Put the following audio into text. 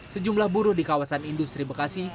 sejumlah buruh di kawasan industri bekasi